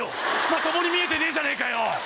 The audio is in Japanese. まともに見えてねえじゃねぇかよ。